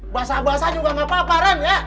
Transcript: basah basah juga gapapa deren ya